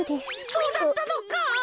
そうだったのか！